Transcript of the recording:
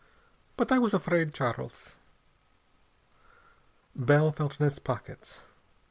But I was afraid, Charles." Bell felt in his pockets.